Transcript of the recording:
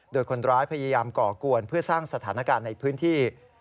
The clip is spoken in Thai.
โดยคนร้ายพยายามก่อกวนเพื่อสร้างสถานการณ์ในพื้นที่